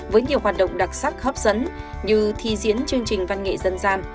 với nhiều hoạt động đặc sắc hấp dẫn như thi diễn chương trình văn nghệ dân gian